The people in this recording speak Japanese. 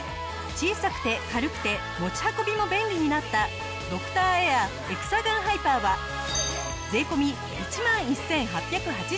小さくて軽くて持ち運びも便利になったドクターエアエクサガンハイパーは税込１万１８８０円。